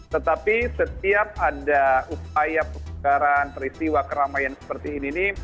tetapi setiap ada upaya pembukaan peristiwa keramaian seperti ini